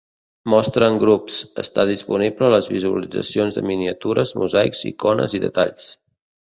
"Mostra en grups" està disponible a les visualitzacions de miniatures, mosaics, icones i detalls.